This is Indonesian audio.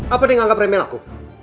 apa nih yang anggap remeh aku